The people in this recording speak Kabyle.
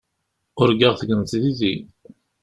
Urgaɣ tegneḍ yid-i.